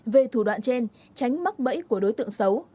về thủ đoạn trên tránh mắc bẫy của đối tượng xấu